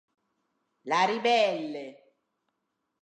La ribelle